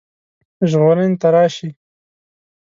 ژغورني ته راشي.